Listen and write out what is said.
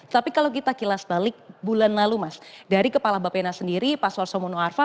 tapi kalau kita kilas balik bulan lalu dari kepala bapena sendiri paswar somono arfa